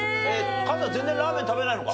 カズは全然ラーメン食べないのか。